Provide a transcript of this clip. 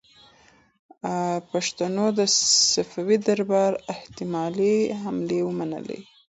پښتنو د صفوي دربار احتمالي حملې ومنلې.